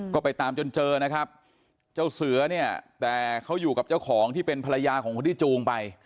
ก็ไปตามจนเจอนะครับเจ้าเสือเนี่ยแต่เขาอยู่กับเจ้าของที่เป็นภรรยาของคนที่จูงไป